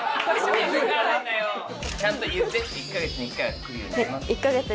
ちゃんと言って「１か月に１回は来るようにします」。